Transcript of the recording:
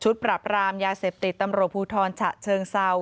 ชุดปราบรามยาเสพติดตำรวจภูทธอนฉะเชิงเศร้า